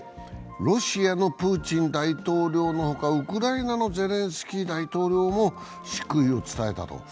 ロシアのプーチン大統領のほかウクライナのゼレンスキー大統領も祝意を伝えたと。